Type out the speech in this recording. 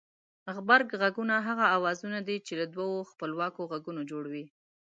غبرگ غږونه هغه اوازونه دي چې له دوو خپلواکو غږونو جوړ وي